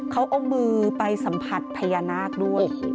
เขาเอามือไปสัมผัสพญานาคด้วย